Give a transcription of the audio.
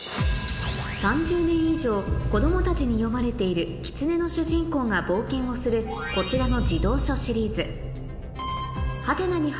３０年以上子供たちに読まれているキツネの主人公が冒険をするこちらの児童書シリーズ